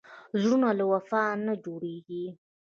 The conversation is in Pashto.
زړونه له وفا نه جوړېږي.